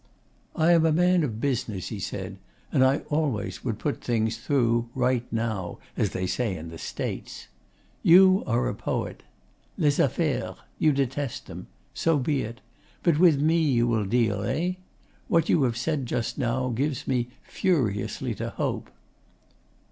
'I am a man of business,' he said, 'and always I would put things through "right now," as they say in the States. You are a poet. Les affaires you detest them. So be it. But with me you will deal, eh? What you have said just now gives me furiously to hope.